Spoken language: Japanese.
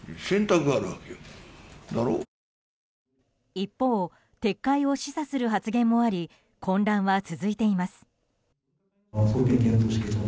一方、撤回を示唆する発言もあり混乱は続いています。